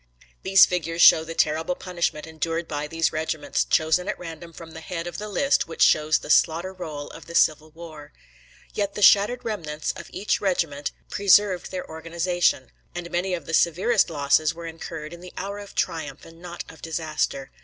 These figures show the terrible punishment endured by these regiments, chosen at random from the head of the list which shows the slaughter roll of the Civil War. Yet the shattered remnants of each regiment preserved their organization, and many of the severest losses were incurred in the hour of triumph, and not of disaster.